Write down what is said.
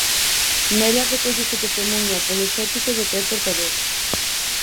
Nela recóllese o testemuño apoloxético do que é portador.